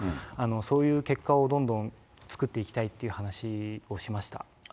そういう結果をどんどん作っていきたいという話をしました。